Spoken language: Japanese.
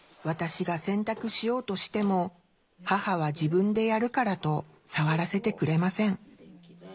私が洗濯しようとしても母は自分でやるからと触らせてくれません。